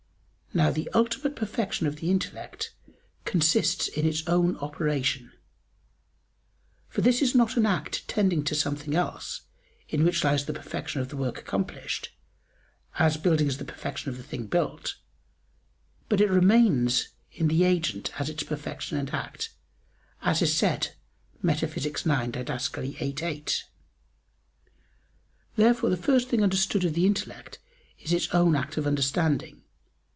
Now the ultimate perfection of the intellect consists in its own operation: for this is not an act tending to something else in which lies the perfection of the work accomplished, as building is the perfection of the thing built; but it remains in the agent as its perfection and act, as is said Metaph. ix, Did. viii, 8. Therefore the first thing understood of the intellect is its own act of understanding.